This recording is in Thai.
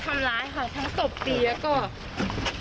ทำหลายค่ะทั้งศพเตียวแล้วก็ไป